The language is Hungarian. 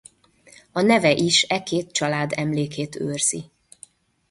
A neve is e két család emlékét őrzi.